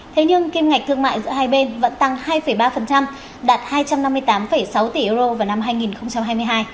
thế nhưng kim ngạch thương mại giữa hai bên vẫn tăng hai ba đạt hai trăm năm mươi tám sáu tỷ euro vào năm hai nghìn hai mươi hai